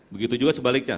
begitu juga sebaliknya